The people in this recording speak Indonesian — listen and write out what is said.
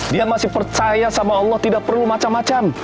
dia masih percaya sama allah tidak perlu macam macam